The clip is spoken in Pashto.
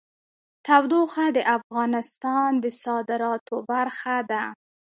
تودوخه د افغانستان د صادراتو برخه ده.